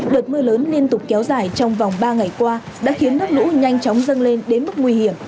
đợt mưa lớn liên tục kéo dài trong vòng ba ngày qua đã khiến nước lũ nhanh chóng dâng lên đến mức nguy hiểm